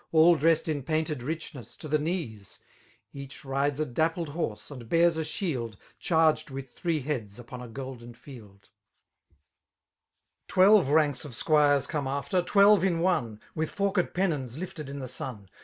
All dressed in painted ridiness to the knees : Each rides a dimpled horse, and bears a shidd. Charged with three heads upon a golden field* I Twelve ranks of squires come after, twdlre in onc^ With forked pennons lifted in the sbn